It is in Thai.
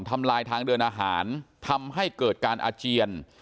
ทำลายทางเดินอาหารทำให้เกิดการอาเจียน